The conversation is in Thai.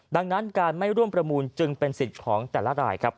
ดังนั้นการไม่ร่วมประมูลจึงเป็นสิทธิ์ของแต่ละรายครับ